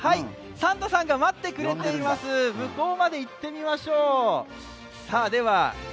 サンタさんが待ってくれています、向こうまで行ってみましょう。